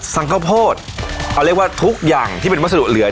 ซังข้าวโพดทุกสินค้าที่จะมาเผา